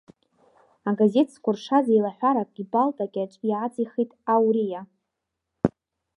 Агазеҭ зкәыршаз еилаҳәарак ипалта кьаҿ иааҵихит ауриа.